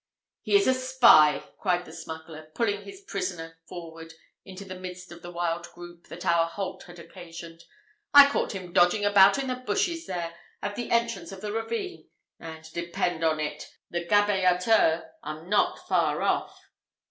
"Here is a spy," cried the smuggler, pulling his prisoner forward into the midst of the wild group, that our halt had occasioned; "I caught him dodging about in the bushes there, at the entrance of the ravine; and, depend on it, the gabellateurs are not far off."